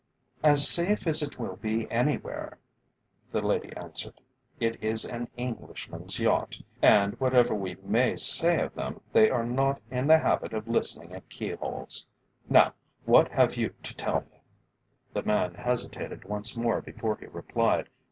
"As safe as it will be anywhere," the lady answered. "It is an Englishman's yacht, and, whatever we may say of them, they are not in the habit of listening at keyholes. Now what have you to tell me?" The man hesitated once more before he replied.